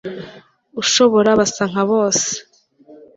ushobora basa nka bose